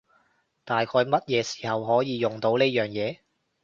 大概乜嘢時候可以用到呢樣嘢？